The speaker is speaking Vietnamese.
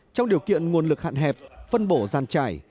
trong điều kiện nguồn lực hạn hẹp phân bổ giàn trải